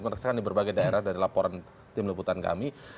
meresahkan di berbagai daerah dari laporan tim lebutan kami